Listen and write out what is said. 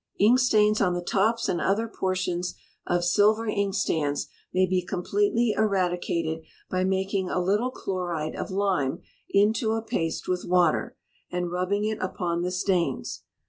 Ink stains on the tops and other portions of silver ink stands may be completely eradicated by making a little chloride of lime into a paste with water, and rubbing it upon the stains.